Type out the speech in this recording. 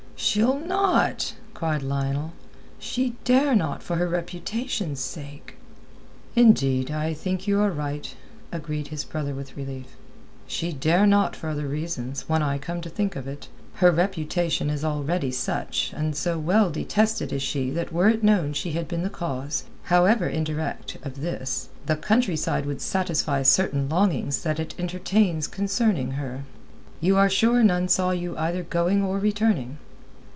"She'll not," cried Lionel. "She dare not for her reputation's sake." "Indeed, I think you are right," agreed his brother with relief. "She dare not for other reasons, when I come to think of it. Her reputation is already such, and so well detested is she that were it known she had been the cause, however indirect, of this, the countryside would satisfy certain longings that it entertains concerning her. You are sure none saw you either going or returning?"